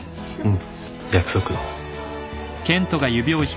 うん。